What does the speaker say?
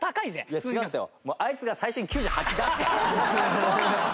いや違うんですよ。